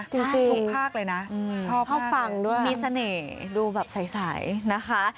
จริงชอบฟังด้วยมีเสน่ห์ดูแบบใสนะคะ